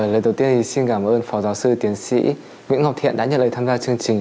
lời đầu tiên xin cảm ơn phó giáo sư tiến sĩ nguyễn ngọc thiện đã nhận lời tham gia chương trình